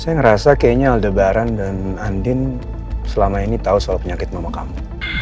saya ngerasa kayaknya aldebaran dan andin selama ini tahu soal penyakit mama kamu